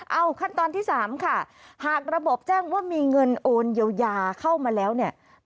เอาขั้นตอนที่๓ค่ะหากระบบแจ้งว่ามีเงินโอนเยียวยาเข้ามาแล้วเนี่ย